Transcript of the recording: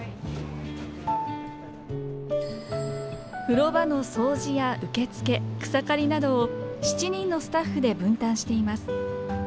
風呂場の掃除や受付草刈りなどを７人のスタッフで分担しています。